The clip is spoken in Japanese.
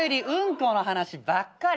この話ばっかり。